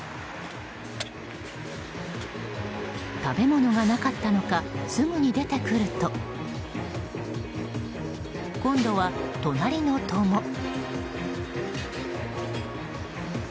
食べ物がなかったのかすぐに出てくると今度は隣の戸も。